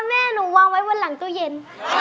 แม่หนูวางไว้บนหลังตู้เย็น